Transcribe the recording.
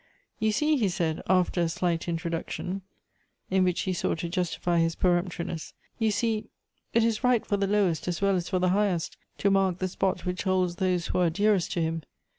" You see," he said, after a slight introduction, in whicli he sought to justify his peremptoriness ;" you see, it is right for the lowest as well as for the highest to mark the spot which holds those who are dearest to him.